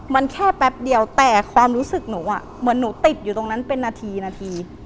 มันแค่แป๊บเดียวแต่ความรู้สึกหนูเหมือนหนูติดอยู่ตรงนั้นเป็นนาทีนาที